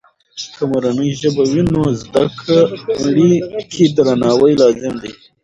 که مورنۍ ژبه وي، نو زده کړې کې درناوی لازم دی.